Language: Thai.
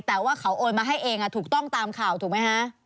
แต่ว่าเขาโอนมาให้เองถูกต้องตามข่าวถูกไหมคะ